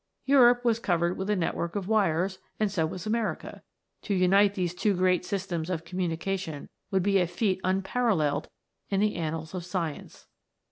Europe was covered with a net work of wires, and so was America to unite these two great systems of communication would be a feat unparalleled in the annals of Science.